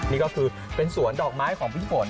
นี่ก็คือเป็นสวนดอกไม้ของพุทธฝน